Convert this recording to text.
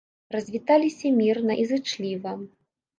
Развіталіся мірна і зычліва.